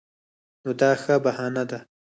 نو دا ښه بهانه ده.